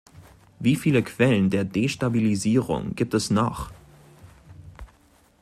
Wie viele Quellen der Destabilisierung gibt es noch!